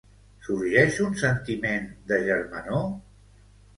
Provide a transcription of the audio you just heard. Sorgeix un sentiment de germanor?